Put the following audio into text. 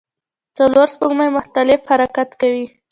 څلور سپوږمۍ مختلف حرکت کوي.